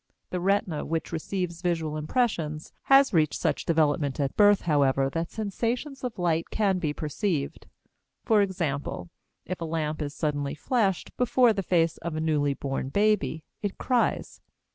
The retina, which receives visual impressions, has reached such development at birth, however, that sensations of light can be perceived. For example, if a lamp is suddenly flashed before the face of a newly born baby it cries.